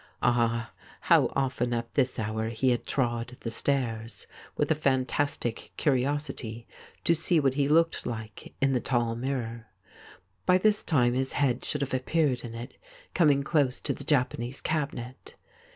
Ah ! how often at this hour he had trod the stairs, with a fantastic curiosity to see what he looked like in the tall mirror. By this time his head should have appeared in it, coming close to the Japanese cabinet.